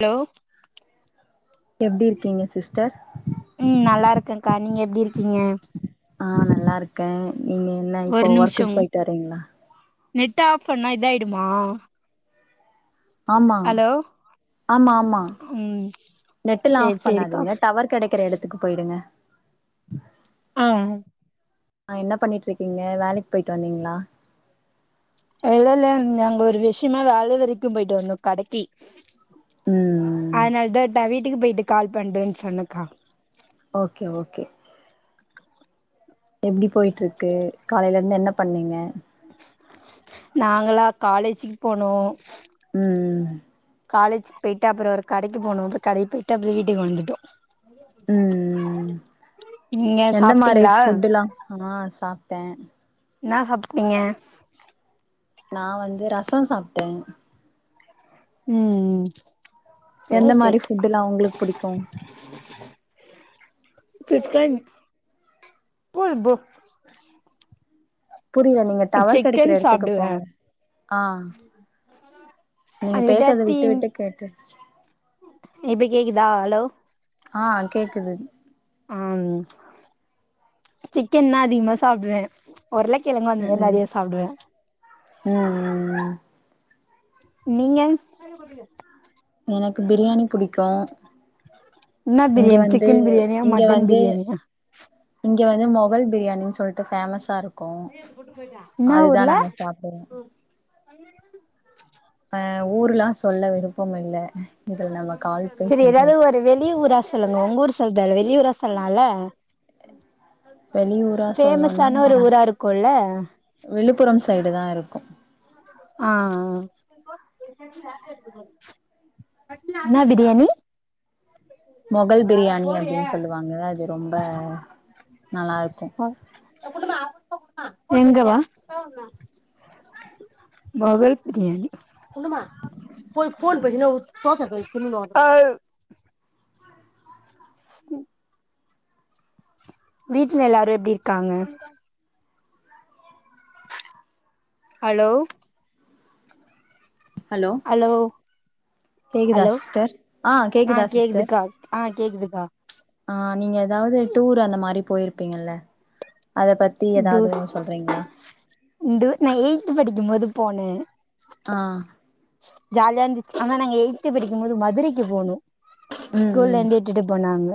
hello எப்டி இருக்கீங்க sister ம் நல்லா இருக்கேகா நீங்க எப்டி இருக்கீங்க ஆ நல்லா இருக்கே நீங்க என்ன இப்போ ஒரு நிமிஷோ ஒர்க்குக்கு போயிட்டு வரீங்ளா நெட் ஆஃப் பண்ணா இதா ஆயிடுமா ஆமா ஆமா ஆமா ம் நெட் எல்லா சேரி ஆஃப் சேரிக்கா பண்ணாதீங்க டவர் கெடைக்கிற எடத்துக்கு போயிடுங்க ஆ ஆ என்ன பண்ணிட்ருக்கீங்க வேலைக்கு போயிட்டு வந்தீங்ளா இல்லல்ல நாங்க ஒரு விஷ்யமா வேல வரைக்கு போயிட்டு வந்தோ கடைக்கி ம் அதனால தா டா வீட்டுக்கு போயிட்டு கால் பண்றேனு சொன்னக்கா ஓகே ஓகே எப்டி போயிட்ருக்கு காலைல இருந்து என்ன பண்ணீங்க நாங்களா காலேஜுக்கு போனோ ம் காலேஜிக்கு போயிட்டு அப்றோ ஒரு கடைக்கு போனோ அப்றோ கடைக்கு போயிட்டு அப்றோ வீட்டுக்கு வந்துட்டோ ம் நீங்க எந்த மாரி சாப்டீங்ளா ஃபுட்டுல்லா ஆ சாப்டே என்னா சாப்டீங்க நா வந்து ரசோ சாப்டே ம் சேரி எந்த மாரி சேரி ஃபுட்டுல்லா ஒங்ளுக்கு புடிக்கு சிக்கன் [unintelligible] புரியல நீங்க டவர் கெடைக்கற சிக்கன் எடத்துக்கு சாப்டுவே போங்க ஆ நீங்க அது பேசுறது விட்டு விட்டாத்தி விட்டு கேக்குது இப்ப கேக்குதா ஹலோ ஆ கேக்குது ஆம் சிக்கன்தா அதிகமா சாப்டுவே ஒருள கெழங்கு ம் அந்தமாரி ம் நெறையா சாப்டுவே ம் ம் நீங்க எனக்கு பிரியாணி புடிக்கு என்ன இங்க பிரியாணி வந்து சிக்கன் பிரியாணியா இங்க மட்டன் வந்து பிரியாணியா இங்க வந்து மொஹல் பிரியாணினு சொல்ட்டு ஃபேமஸா இருக் கு என்னா அதுதா ஊர்ல நாங்க சாப்டுவோ ஆ ஊர்லா சொல்ல விருப்பமில்ல செரி எதாது ஒரு வெளி ஊரா சொல்லுங்க ஒங்க ஊர் சொல் தேவ இல்ல வெளி ஊரா சொல்லலா வெளியூரா ஃபேமஸான ஒரு ஊரா இருக்குல விழுப்புர சைடு தா இருக்கு ஆ என்னா பிரியாணி மொகல் பிரியாணி அப்டின் சொல்லுவாங்க அது ரொம்ப நல்லாருக்கு எங்கவா மொகல் பிரியாணி ம் வீட்ல எல்லாரு எப்டி இருக்காங்க ஹலோ ஹலோ கேக்குதா ஹலோ சிஸ்டர் ஆ கேக்குதா சிஸ்டர் கேக்குதுக்கா ஆ கேக்குதுக்கா ஆ நீங்க எதாவது டூர் அந்த மாரி போய்ருப்பீங்கல்ல அத பத்தி எதாவது ஒன்னு சொல்றீங்ளா உண்டு நா எயித் படிக்குபோது போனே ஆ ஜாலியா இருந்துச்சு ஆனா நாங்க எயித் படிக்கு போது மதுரைக்கு போனோ ம் ஸ்கூல்ல ம் இருந்து இட்டுட்டு போனாங்க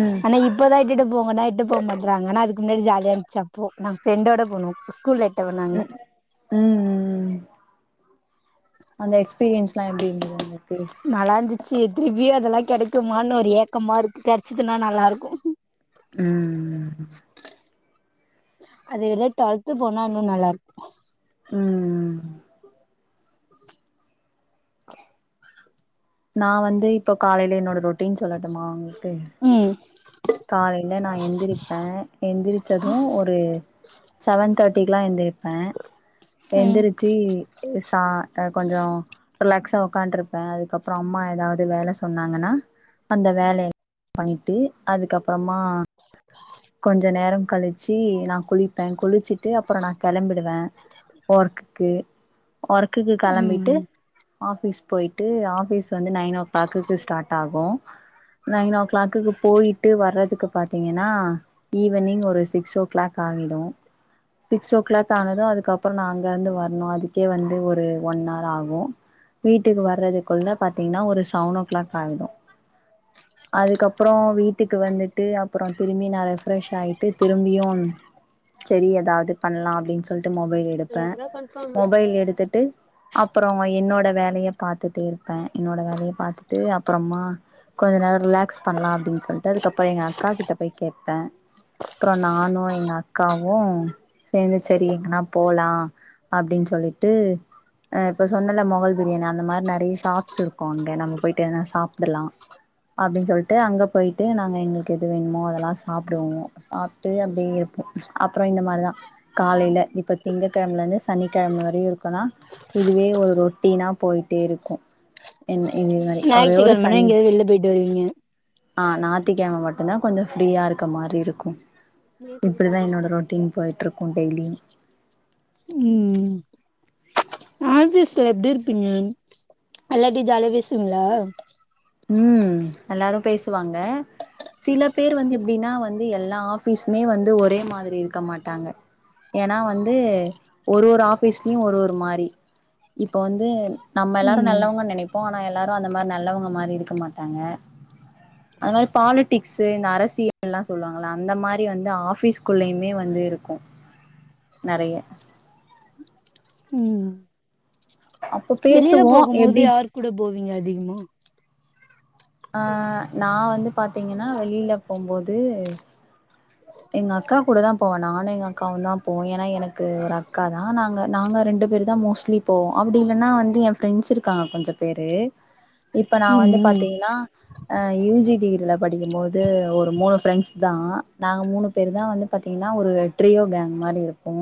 ம் ஆனா இப் இப்போதா இட்டுட்டு போங்கனா இட்டு போ மாட்றாங்க ஆனா அதுக்கு முன்னாடி ஜாலியா இருந்துச்சு அப்போ நா ஃப்ரெண்டோட போனோ ஸ்கூல்ல பதுனாங்கோ ம் ம் அந்த எக்ஸ்பீரியன்ஸ்ல்லா எப்டி இருந்துது உங்கள்க்கு நல்லா இருந்துச்சு திருப்பியு அதெல்லா கெடைக்குமான் ஒரு ஏக்கமா இருக்கு கெடைச்சிதுனா நல்லாருக்கு ம் [inaudible] அது எதோ டுவல்த்து போனா இன்னு நல்லாருக்கு ம் ம் நா வந்து இப்போ காலைல என்னோட ரொட்டீன் சொல்லட்டுமா உங்களுக்கு ம் காலைல நா எந்திரிப்ப எந்திரிச்சது ஒரு செவன் தேர்ட்டிக்குலா எந்திரிப் ப ம் எந்திரிச்சு சா அ கொஞ்சோ ரிலாக்ஸா உக்காண்ட் இருப்ப அதுக்கப்ற அம்மா எதாவது வேல சொன்னாங்கனா அந்த வேலயல்லா பண்ணிட்டு அதுக்கப்றமா கொஞ்சோ நேர கழிச் ச்சி நா குளிப்ப குளிச்சுட்டு அப்ற நா கெளம்பிடுவ ஒர்க்குகு ஒர்க்குக்கு கெளம்பிட்டு ம் ஆஃபீஸ் போயிட்டு ஆஃபீஸ் வந்து நைன் ஓ கிளாக்கு ஸ்டார்ட் ஆகு நைன் ஓ கி கிளாக்குக்கு போயிட்டு வர்றதுக்கு பாத்தீங்கனா ஈவினிங் ஒரு சிக்ஸ் ஓ கிளாக் ஆய்டு சிக்ஸ் ஓ கிளாக் ஆனது அதுக்கப்ற நா அங்கருந்து வரணு அதுக்கே வந்து ஒரு ஒன் ஹவர் ஆகு வீட்டுக்கு வர்றதுக்குள்ள பாத்தீங்கனா ஒரு செவன் ஓ கிளாக் ஆயிடு அதுக்கப் அப்ற வீட்டுக்கு வந்துட்டு அப்ற திரும்பி நா ரெஃப்ரெஷ் ஆயிட்டு திரும்பியு செரி எதாவது பண்லா அப்டின் சொல் ட்டு மொபைல் எடுப்ப மொபைல் எடுத்துட்டு அப்ற என்னோட வேலய பாத்துட்டு இருப்ப என்னோட வேலைய பாத்துட்டு அப்புறமா கொஞ்ச நேரோ ரிலாக்ஸ் பண்லா அப்டின் சொல்ட்டு அதுக்கப்புறோ எங்க அக்கா கிட்ட போய் கேப்ப அப்புறோ நானு எங்க அக்காவு சேந்து சரி எங்குனா போலா அப்டின் சொல்லிட்டு அ இப்போ சொன்னல்ல மால் பிரியாணி அந்த மாரி நெறைய ஷாப்ஸ் இருக்கு அங்க நம்ம போய்ட்டு எதுனா சாப்டுலா அப்டின் சொல்ட்டு அங்க போய்ட்டு நாங்க எங்களுக் எது வேணுமோ அதெல்லா சாப்புடுவோ சாப்ட்டு அப்டியே அப்புறோ இந்த மாரிதா காலேல இப்ப திங்க கெழ்ம்ல இருந்து சனிக்கெழம வரையு இருக்குனா இதுவே ஒரு ரொட்டீன்னா போய்ட்டே இருக்கு என்ன இதே மாரி ஒரே ஒரு ஞாயித்துக்கெழமனா சன் எங்கயாவது வெளில போய்ட்டு வருவீங்க ஆ நாத்திக்கெழம மட்டுந்தான் கொஞ்சோ ஃப்ரீயா இருக்க மாரி இருக்கு இப்புடிதா என்னோட ரொட்டீன் போய்ட்ருக்கு டெய்லியு ம் ஃபீஸ்ல எப்டி இருப்பீங்க எல்லாட்டியு ஜாலியா பேசுவீங்ளா ம் எல்லாரு பேசுவாங்க சில பேர் வந்து எப்டினா வந்து எல்லா ஆஃபீஸ்மே வந்து ஒரே மாதிரி இருக்க மாட்டாங்க ஏனா வந்து ஒரு ஒரு ஆபீஸ்ல்யு ஒரு ஒரு மாரி இப்போ வந்து நம்ம எல்லாரு ம் நல்லவுங்கன் நெனைப்போ ஆனா எல்லாரு அந்த மாரி நல்லவுங்க மாரி இருக்க மாட்டாங்க அது மாரி பாலிடிக்ஸு இந்த அரசியல்லா சொல்லுவாங்கள் அந்த மாரி வந்து ஆஃபீஸ்குள்ளயுமே வந்து இருக்கு நெறைய ம் அப்போ வெளில பேசுவோ போகுமோது எப்டி யார் கூட போவீங்க அதிகுமா ஆ நா வந்து பாத்தீங்கெனா வெளில போம்போது எங்க அக்கா கூடதா போவ நானு எங்க அக்காவுந்தா போவோ ஏனா எனக்கு ஒரு அக்காதா நாங்க நாங்க ரெண்டு பேருதா மோஸ் ட்லி போவோ அப்டி இல்லனா வந்து என் ஃபிரெண்ஸ் இருக்காங்க கொஞ்ச பேரு இப்ப நா ம் வந்து ம் பாத்தீங்னா அ யூ ஜி டிகிரில படிக்குமோது ஒரு மூணு ஃபிரெண்ஸ்தா நாங்க மூணு பேருதா வந்து பாத்தீங்குனா ஒரு ட்ரியோ கேங் மாரி இருப்போ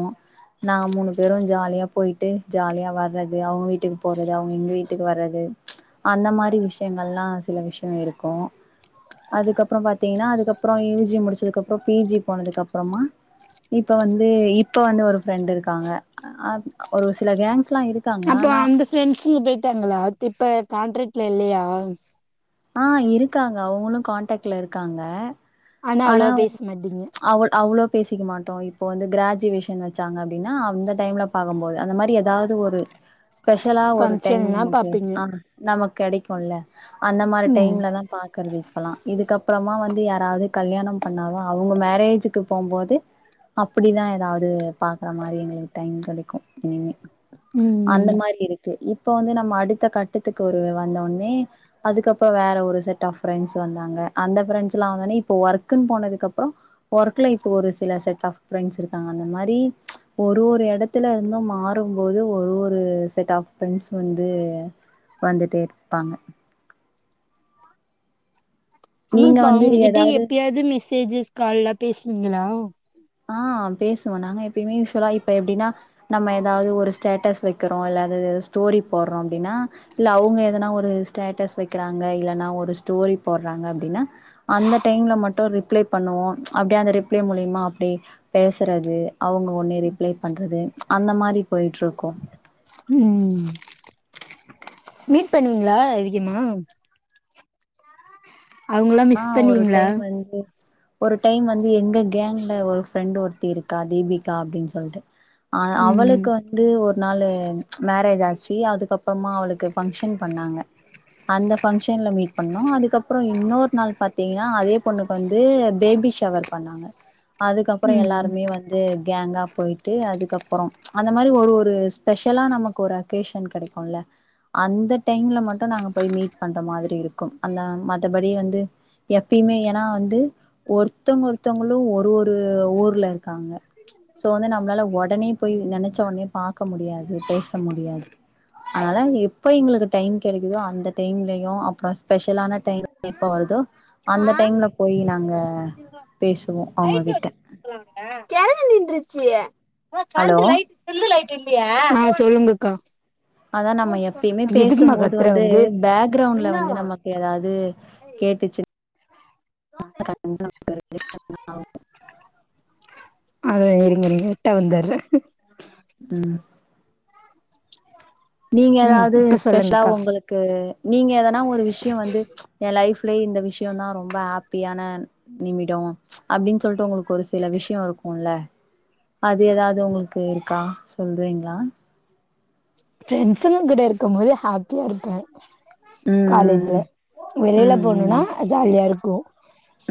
நாங்க மூணு பேரு ஜாலியா போய்ட்டு ஜாலியா வர்றது அவ்ங்க வீட்டுக்கு போறது அவ்ங்க எங்க வீட்டுக்கு வரது அந்த மாரி விஷியங்கல்லா சில விஷ்யோ இருக்கு அதுக்கப்புறோ பாத்தீங்னா அதுக்கப்புறோ யூ ஜி முடிச்சதுக்கப்றோ பி ஜி போனதுக்கப்றமா இப்ப வந்து இப்ப வந்து ஒரு ஃபிரெண்டு இருக்காங்க அத் ஒரு சில கேங்ஸ்லா இரு அப்போ அந்த ஃபிரெண்ஸ்ங்க பேய்டாங்குளா இப்ப கான்ட்ரட்ல இல்லையா ஆ இருக்காங்க அவுங்குளு கான்டக்ட்ல இருக்காங்க ஆனா அவ்ளவா அவ பேச மாட்டீங்க அவுள் அவ்ளோ பேசிக்க மாட்டோ இப்போ வந்து கிராஜுவேஷன் வச்சாங்க அப்டினா அந்த டைம்ல பாக்கும்போது அந்த மாரி எதாது ஒரு [inaudible] ஸ்பெஷலா ஒரு டைம் பங்க்ஷன்னா நமக்கு பாப்பீங்க ஆ நமக்கு கெடைக்குல அந்த மாரி ம் டைம்லதா பாக்கறது இப்பலா இதுக்கப்புறமா வந்து யாராவ்து கல்யாணம் பண்ணாதா அவ்ங்க மேரேஜுக்கு போம்போது அப்புடிதா எதாவ்து பாக்ற மாரி எங்களுக்கு டைம் கெடைக்கு இனிமே ம் அந்த ம் மாரி இரு க்கு இப்ப வந்து நம்ம அடுத்த கட்டத்துக்கு ஒரு வந்தோனே அதுக்கப் இப்ப வேற ஒரு செட் ஆஃப் ஃபிரெண்ஸ் வந்தாங்க அந்த ஃபிரண்ஸ்லா வந்தோனே இப்போ ஒர்க்குன் போனதுக்கப்றோ ஒர்க்ல இப்ப ஒரு சில செட் ஆஃப் ஃபிரண்ஸ் இருக்காங்க அந்த மாரி ஒரு ஒரு எட த்துல இருந்து மாறும்போது ஒரு ஒரு செட் ஆஃப் ஃபிரெண்ஸ் வந்து வந்துட்டே இருப்பாங்க நீங்க ஆமாப்பா வந்து அவுங்ககிட்ட ஏதாவது எப்பயாவது மெசேஜஸ் கால்லா பேசுவீங்ளா ஆ பேசுவே நாங்க எப்பியுமே யூஸ்வலா இப்ப எப்டின்னா நம்ம ஏதாவ்து ஒரு ஸ்டேட்டஸ் வைக்கிறோ இல்லது ஸ்டோரி போட்றோ அப்டின்னா இல்ல அவூங்க எதனா ஒரு ஸ்டேட்டஸ் வைக்கிறாங்க இல்லன்னா ஒரு ஸ்டோரி போட்றாங்க அப்டின்னா அந்த டைம்ல மட்டு ரிப்ளே பண்ணுவோ அப்டியே அந்த ரிப்ளே மூலியமா அப்டியே பேசறது அவுங்க ஒட்ண்ணே ரிப்ளே பண்றது அந்த மாதிரி பொய்ட்ருக்கு ம் மீட் பண்ணுவீங்ளா அதிகமா அவங்களா ஆ மிஸ் ஒரு பண்ணுவீங்களா டைம் வந்து ஒரு டைம் வந்து எங்க கேங்ல ஒரு ஃப்ரெண்ட் ஒருத்தி இருக்கா தீபிகா அப்டின்னு சொல்ட்டு ஆ ம் அவளுக்கு வந் து ஒரு நாள் மேரேஜ் ஆச்சு அதுக்கப்றமா அவளுக்கு பங்க்ஷன் பண்ணாங்க அந்த ஃபங்க்ஷன்ல மீட் பண்ணோ அதுக்கப்றோ இன்னொரு நாள் பாத்திங்ன்னா அதே பொண்ணுக்கு வந்து பேபி ஷவர் பண்ணாங்க அதுக்கப்றோ ம் எல்லாருமே வந்து அது கேங்கா பொய்ட்டு அதுக்கப்றோ அந்த மாரி ஒரு ஒரு ஸ்பெஷலா நமக்கு ஒரு அக்கேஷன் கெடைக்கு ல்ல அந்த டைம்ல மட்டு நாங்க போய் மீட் பண்ற மாதிரி இருக்கு அந்த மத்த படி வந்து எப்பியுமே ஏனா வந்து ஒருத்தங்க ஒருத்தவங்ளு ஒரு ஒரு ஊர்ல இருக்காங்க ஸோ வந்து நம்ளால ஒடனே போய் நெனச்ச ஒடனே பாக்க முடியாது பேச முடியாது அதனால எப்ப எங்ளுக்கு டைம் கெடைக்குதோ அந்த டைம்லயு அப்றோ ஸ்பெஷலான டைம் எப்ப வருதோ அந்த டைம்ல போய் நாங்க பேசுவோ அவுங்க கிட்ட ஆ ஹலோ சொல்லுங்கக்கா அதா நம்ப எப்பயுமே பேசு எதுக்குமா போது கத்துற வந்து பேக்ரவுண்ட்ல வந்து நமக்கு எதாது கேட்டுச்சு [unintelligible] அது நீங்க [unintelligible] இருட்டா வந்தற்ரே ம் நீங்க ம் எதாவ்து இப்ப ஸ்பெஷலா சொல்லுங்க்கா உங்களுக் கு நீங்க எதனா ஒரு விஷ்யோ வந்து ஏ லைஃப்லயே இந்த விஷ்யோதா ரொம்ப ஹேப்பியான நிமிடோ அப்டின் சொல்ட்டு ஒங்ளுக் ஒரு சில விஷ்யோ இருக்குல அது எதாவ்து ஒங்ளுக்கு இருக்கா சொல்றீங்ளா ஃப்ரெண்ட்ஸ்ங்க கூட இருக்கு போது ஹேப்பியா இருக்கு காலேஜ்ல ம் வெளியில ம் போணுனா ஜாலியா இருக்கு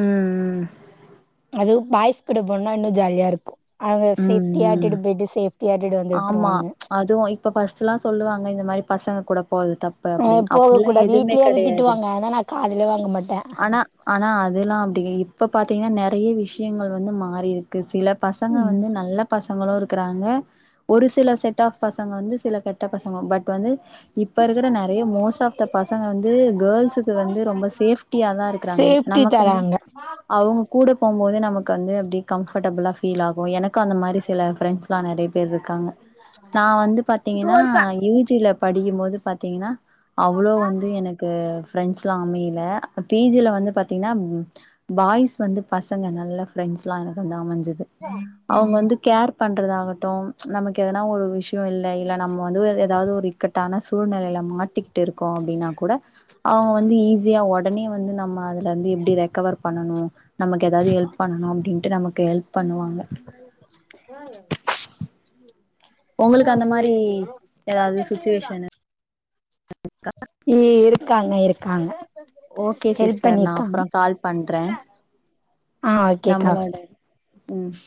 ம் ம் அதுவு பாய்ஸ் கூட போனனா இன்னு ஜாலியா இருக்கு அவுங்க ம் சேஃப்டிய ம் இட்டுட்டு பொய்ட்டு சேஃப்டியா இட்டுட்டு வந்து ஆமா விட்ருவாங்க அதுவு இப்ப ஃபஸ்ட்டுலா சொல்லுவாங்க இந்த மாரி பசங்க கூட போறது தப் பு அ அப்டின்னு போக அப்ட்லா கூடாது எதுவுமே வீட்லயே அது கெடையாது திட்டுவாங்க ஆனா நா காதுல வாங்க மாட்டே ஆனா ஆனா அதுலா அப்டி இப்ப பாத்திங்ன்னா நெறைய விஷயங்கள் வந்து மாறிருக்கு சில பசங்க ம் வந்து நல்ல பசங்களு இருக்குறாங்க ஒரு சில செட் ஆஃப் பசங்க வந்து சில கெட்ட பசங்க பட் வந்து இப்ப இருக்குற நெறைய மோஸ்ட் ஆஃப் த பசங்க வந்து கேர்ள்ஸுக்கு வந்து ரொம்ப சேஃப்டியா தா இருக்குறாங்க சேஃப்டி தராங்க அவுங்க கூட போம்போது நமக்கு வந்து அப்டி கம்ஃபர்டபிளா ஃபீல் ஆகு எனக்கு அந்த மாரி சில ஃப்ரெண்ட்ஸ் லா நெறைய பேர் இருக்காங்க நா வந்து பாத்திங்கன்னா யூ ஜி ல படிக்கும்போது பாத்திங்கன்னா அவ்ளோ வந்து எனக்கு ஃப்ரெண்ட்ஸ்லா அமையல பி ஜி ல வந்து பாத்தீங்ன்னா பாய்ஸ் வந்து பசங்க நல்ல ஃப்ரெண்ட்ஸ்லா எனக்கு வந்து அமஞ்சது அவுங்க வந்து கேர் பண்றது ஆகட்டும் நமக்கு எதனா ஒரு விஷ் யோ இல்ல இல்ல நம்ப வந்து எதாது ஒரு இக்கட்டான சூழ்நிலையில மாட்டிக்கிட்டு இருக்கோ அப்டின்னா கூட அவுங்க வந்து ஈஸியா ஒடனே வந்து நம்ப அதுல இருந்து எப்டி ரெக்கவர் பண்ணனு நமக்கு எதாது ஹெல்ப் பண்ணனு அப்டின்ட்டு நமக்கு ஹெல்ப் பண்ணுவாங்க ஒங்களுக்கு அந்த மாரி எதாது சுச்சுவேஷனு க்கா இ இருக்காங்க இருக்காங்க ஓகே ஹெல்ப் சிஸ்டர் நா பண்ணிருக்காங்க அப்றோ கால் பண்றே ஆ ஓகேக்கா நம்மளோட ம்